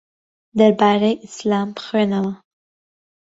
دەربارەی ئیسلام بخوێنەوە.